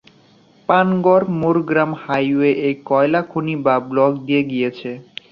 Panagarh-Morgram highway এই কয়লা খনি বা ব্লক দিয়ে গিয়েছে।